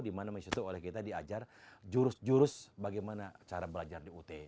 dimana mahasiswa itu oleh kita diajar jurus jurus bagaimana cara belajar di ut